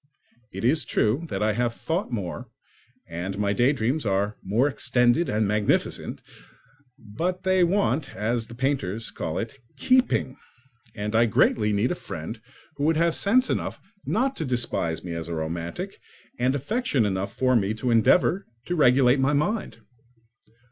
It is true that I have thought more and that my daydreams are more extended and magnificent, but they want (as the painters call it) keeping; and I greatly need a friend who would have sense enough not to despise me as romantic, and affection enough for me to endeavour to regulate my mind.